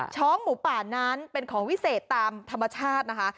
หมูป่านั้นเป็นของวิเศษตามธรรมชาตินะคะ